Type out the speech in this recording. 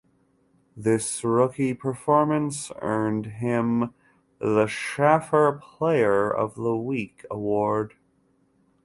This rookie performance earned him "the Schaefer player of the week" award.